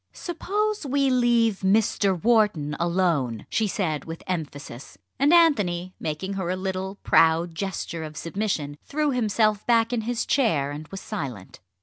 "Suppose we leave Mr. Wharton alone?" she said with emphasis, and Anthony, making her a little proud gesture of submission, threw himself back in his chair, and was silent.